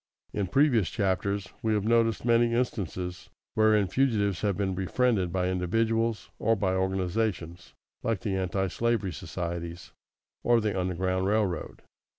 In previous chapters we have noticed many instances wherein fugitives have been befriended by individuals, or by organizations like the Antislavery Societies or the Underground Railroad.